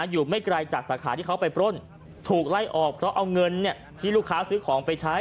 อยู่ไม่ไกลจากสาขาที่เขาไปปล้นถูกไล่ออกเพราะเอาเงินที่ลูกค้าซื้อของไปใช้